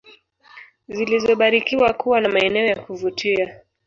zilizobarikiwa kuwa na maeneo ya kuvutia